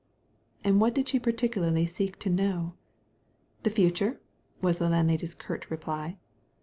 " What did she particularly seek to know ?"" The future !" was the landlady's curt reply.